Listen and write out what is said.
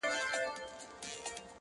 د زمري په کابینه کي خر وزیر وو٫